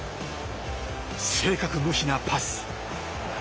正確無比なパス。